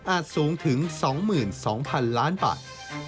สูงถึง๒๒๐๐๐ล้านบาท